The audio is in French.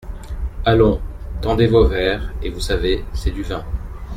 Allons ! tendez vos verres… et vous savez, c’est du vin !